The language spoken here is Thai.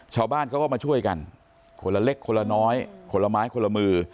ชาวบ้านเขาก็มาช่วยกันคนละเล็กคนละน้อยคนละไม้คนละมือ